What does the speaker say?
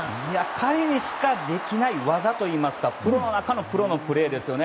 彼にしかできない技といいますかプロの中のプロのプレーですよね。